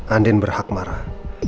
andin berhak marah